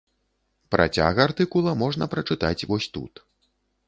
Працяг артыкула можна прачытаць вось тут.